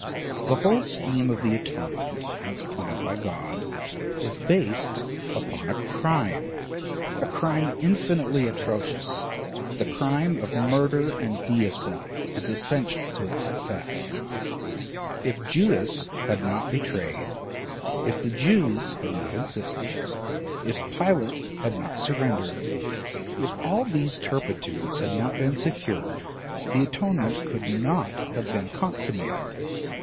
The whole scheme of the Atonement, as planned by God, is based upon a crime—a crime infinitely atrocious, the crime of murder and deicide, is essential to its success: if Judas had not betrayed, if the Jews had not insisted, if Pilate had not surrendered, if all these turpitudes had not been secured, the Atonement could not have been consummated.